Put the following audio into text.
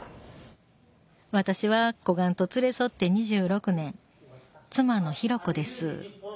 私は小雁と連れ添って２６年妻の寛子です